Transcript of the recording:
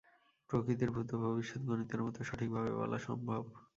প্রকৃতির ভূত ও ভবিষ্যৎ গণিতের মত সঠিকভাবে বলা সম্ভব।